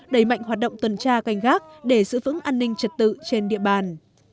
đẩy mạnh hoạt động tuần tra canh gác để giữ vững an ninh trật tự trên địa bàn